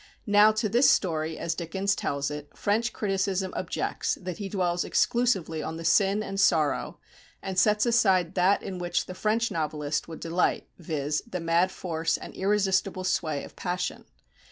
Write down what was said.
Now to this story, as Dickens tells it, French criticism objects that he dwells exclusively on the sin and sorrow, and sets aside that in which the French novelist would delight, viz., the mad force and irresistible sway of passion.